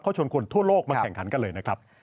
เขาชวนคนทั่วโลกมาแข่งขันกันเลยนะครับ